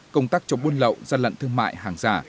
công tác chống buôn lậu gian lận thương mại hàng giả